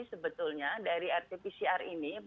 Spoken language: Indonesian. sebetulnya dari rt pcr ini